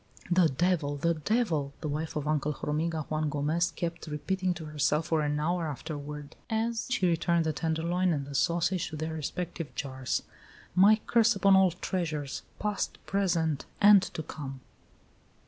"The devil! the devil!" the wife of Uncle Hormiga Juan Gomez kept repeating to herself for an hour afterward, as she returned the tenderloin and the sausage to their respective jars. "My curse upon all treasures past, present, and to come!"